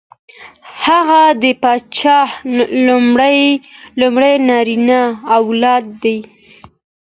هغه د پادشاه لومړی نارینه اولاد دی.